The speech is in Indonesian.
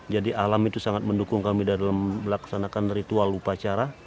jadi alam itu sangat mendukung kami dalam melaksanakan ritual upacara